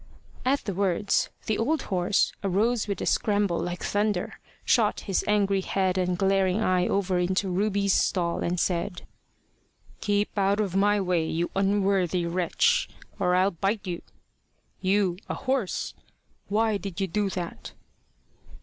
At the words, the old horse arose with a scramble like thunder, shot his angry head and glaring eye over into Ruby's stall, and said "Keep out of my way, you unworthy wretch, or I'll bite you. You a horse! Why did you do that?"